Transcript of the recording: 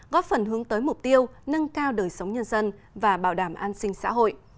góp phần hướng tới mục tiêu nâng cao đời sống nhân dân và bảo đảm an sinh xã hội